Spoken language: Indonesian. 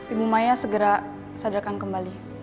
ibu maya segera sadarkan kembali